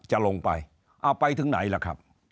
จะลงไปเอาไปถึงไหนล่ะครับ